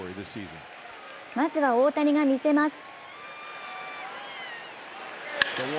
まずは大谷が見せます！